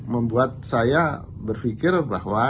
membuat saya berpikir bahwa